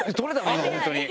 今本当に。